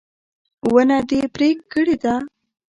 ونه دې پرې کړې ده